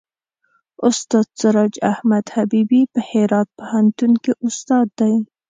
استاد سراج احمد حبیبي په هرات پوهنتون کې استاد دی.